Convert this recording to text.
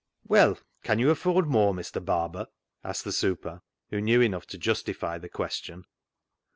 " Well, can you afford more, Mr. Barber ?" asked the " super," who knew enough to justify the question.